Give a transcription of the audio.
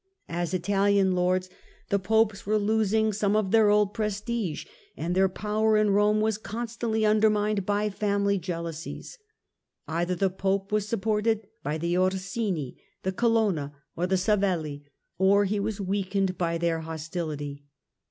As Italian lords the Popes were losing some of their old prestige, and their position in Kome was constantly undermined by family jealousies. Either the Pope was supported by the Orsini, the Colonna, or the Savelli, or he was weakened by their hostility.